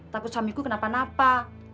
takut suamiku kenapa napa